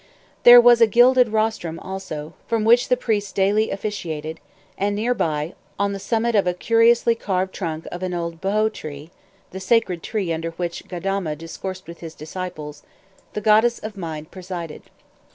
There was a gilded rostrum also, from which the priests daily officiated; and near by, on the summit of a curiously carved trunk of an old Bho tree, [Footnote: The sacred tree under which Guadama discoursed with his disciples.] the goddess of Mind presided.